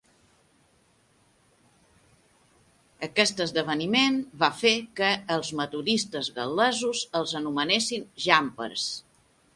Aquest esdeveniment va fer que als metodistes gal·lesos els anomenessin "Jumpers".